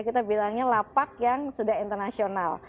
kita bilangnya lapak yang sudah internasional